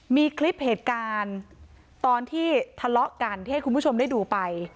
มีคลิปเหตุการณ์ตอนที่ทะเลาะกันที่ให้คุณผู้ชมได้ดูไป